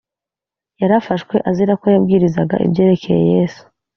yarafashwe azira ko yabwirizaga ibyerekeye yesu